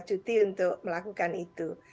cuti untuk melakukan itu